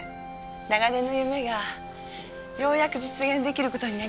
長年の夢がようやく実現出来る事になりまして。